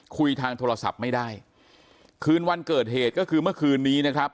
คุยทางโทรศัพท์ไม่ได้คืนวันเกิดเหตุก็คือเมื่อคืนนี้นะครับ